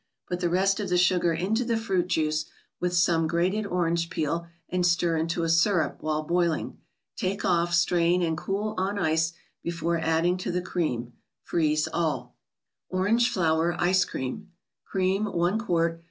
Put the rest of the sugar into the fruit juice, with some grated orange peel, and stir into a syrup, while boiling. Take off, strain, and cool on ice before adding to the cream. Freeze all. Grange plotter Ice Cream. Cream, i qt.